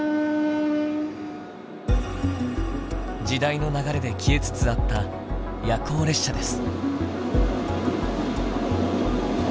時代の流れで消えつつあった「夜行列車」です。